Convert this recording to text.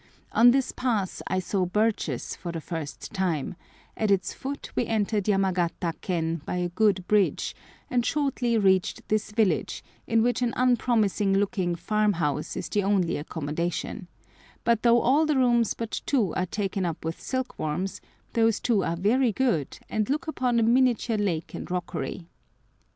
On this pass I saw birches for the first time; at its foot we entered Yamagata ken by a good bridge, and shortly reached this village, in which an unpromising looking farm house is the only accommodation; but though all the rooms but two are taken up with silk worms, those two are very good and look upon a miniature lake and rockery.